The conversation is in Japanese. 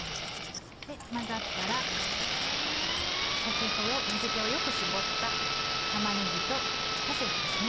混ざったら先ほど水気をよく絞った玉ねぎとパセリですね。